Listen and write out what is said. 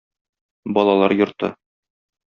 Балалар йорты.